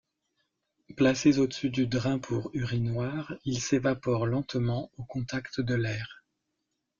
Placés au-dessus du drain pour urinoir, ils s'évaporent lentement au contact de l'air.